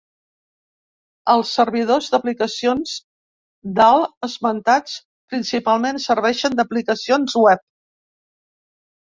Els servidors d'aplicacions dalt esmentats principalment serveixen aplicacions Web.